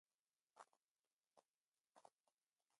سپینې سپوږمۍ ته د حال ویل پخوانی دود دی.